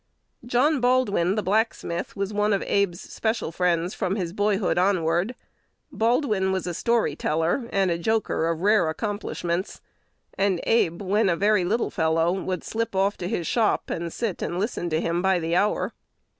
John Baldwin, the blacksmith, was one of Abe's special friends from his boyhood onward. Baldwin was a story teller and a joker of rare accomplishments; and Abe, when a very little fellow, would slip off to his shop and sit and listen to him by the hour.